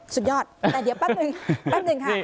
สุดยอดแต่เดี๋ยวปั๊บนึงค่ะ